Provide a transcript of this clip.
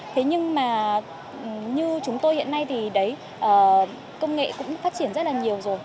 thế nhưng mà như chúng tôi hiện nay thì đấy công nghệ cũng phát triển rất là nhiều rồi